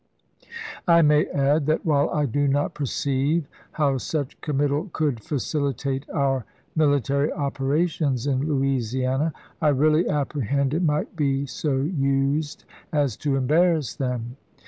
I may add, that while I do not perceive how such committal could facilitate our military operations in Louisiana, I really apprehend it might be so used as to embarrass them.